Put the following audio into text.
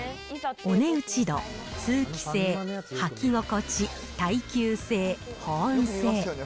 お値打ち度、通気性、履き心地、耐久性、保温性。